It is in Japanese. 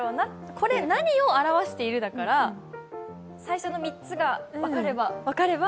これ何を表してるだから最初の３つが分かれば。